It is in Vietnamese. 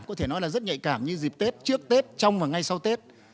có thể nói là rất nhạy cảm như dịp tết trước tết trong và ngay sau tết